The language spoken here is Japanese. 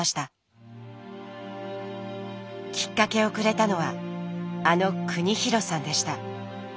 きっかけをくれたのはあの邦博さんでした。